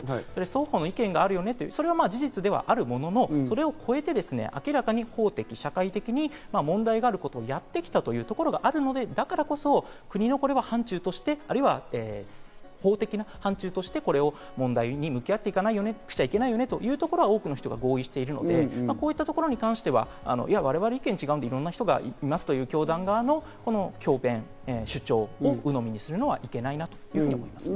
双方の意見があるよねというのは事実ですけれども、明らかに法的に、社会的に問題があることをやってきたというところがあるので、だからこそ国の範疇として、或いは法的な範疇として、この問題に向き合っていかなくちゃいけないよねというのは多くの方が合意しているので、こういったところに関しては我々、意見が違うのでいろんな人がいますという教団の強弁、主張をうのみにするのはいけないなと思います。